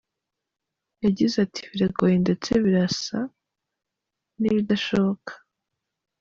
Yagize ati “Biragoye ndetse birasa n’ibidashoboka.